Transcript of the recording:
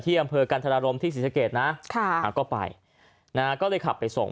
อำเภอกันธนารมที่ศรีสะเกดนะค่ะก็ไปนะฮะก็เลยขับไปส่ง